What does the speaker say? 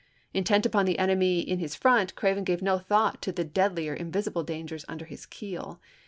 Intent upon the enemy in his front, Craven gave no thought to the deadlier invisible dangers under his keel.